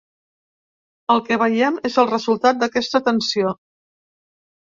El que veiem és el resultat d’aquesta tensió.